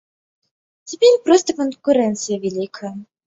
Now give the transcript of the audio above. Цяпер проста канкурэнцыя вялікая.